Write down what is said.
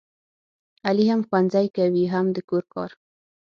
علي هم ښوونځی کوي هم د کور کار.